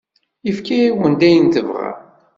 Yefka-awen-d ayen tebɣam.